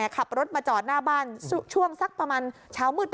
ขับรถมาจอดหน้าบ้านช่วงสักประมาณเช้ามืด